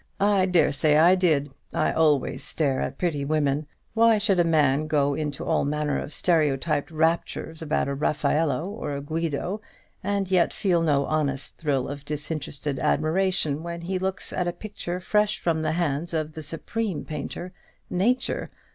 "I dare say I did; I always stare at pretty women. Why should a man go into all manner of stereotyped raptures about a Raffaelle or a Guido, and yet feel no honest thrill of disinterested admiration when he looks at a picture fresh from the hands of the supreme painter, Nature?